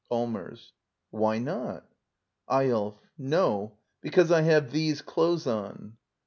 Allmers. Why not? Eyolf. No — because I have these clothes on.